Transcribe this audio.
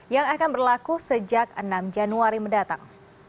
yang akan berlaku sejak enam januari mendatang